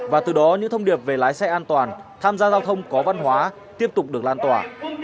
và từ đó những thông điệp về lái xe an toàn tham gia giao thông có văn hóa tiếp tục được lan tỏa